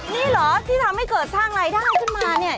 นี่เหรอที่ทำให้เกิดทางลายด้านขึ้นมานี่